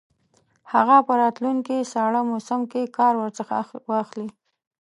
هغه په راتلونکي ساړه موسم کې کار ورڅخه واخلي.